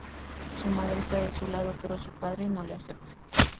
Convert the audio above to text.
Su madre está de su lado, pero su padre no le acepta.